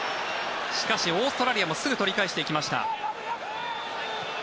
しかしオーストラリアもすぐ取り返していきました。